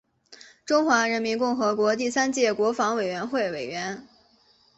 中华人民共和国第三届国防委员会委员。